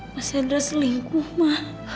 mas hendra selingkuh ma